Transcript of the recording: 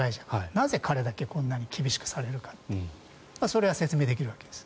なぜ彼だけこんなに厳しくされるのかそれは説明できるわけです。